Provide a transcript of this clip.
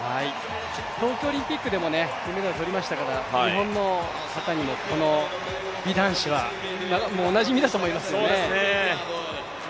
東京オリンピックでも金メダル取りましたから、日本の方にもこの美男子はおなじみだと思いますね。